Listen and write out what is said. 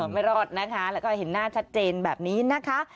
ไม่รอดนะคะแล้วก็เห็นหน้าชัดเจนแบบนี้นะคะ